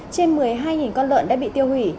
trên một mươi hai con lợn đã bị tiêu hủy